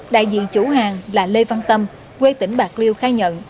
đại diện chủ hàng là lê văn tâm quê tỉnh bạc liêu khai nhận